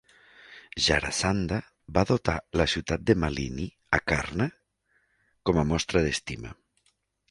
Jarasandha va dotar la ciutat de "Malini", a Karna, com a mostra d'estima.